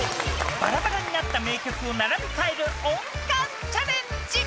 バラバラになった名曲を並び替える音感チャレンジ